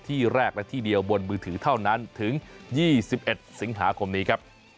ที่แรกและที่เดียวบนมือถือเท่านั้นถึง๒๑สิงหาคมนี้ครับ